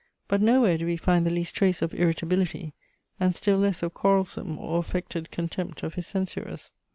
But no where do we find the least trace of irritability, and still less of quarrelsome or affected contempt of his censurers.